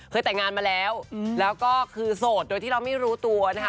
แต่งงานมาแล้วแล้วก็คือโสดโดยที่เราไม่รู้ตัวนะคะ